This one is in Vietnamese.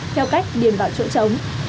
theo cách điền vào chỗ trống